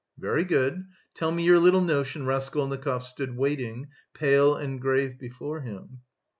"Very good, tell me your little notion," Raskolnikov stood waiting, pale and grave before him.